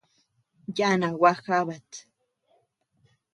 Yana gua jabat.